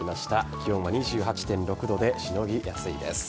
気温は２８．６度でしのぎやすいです。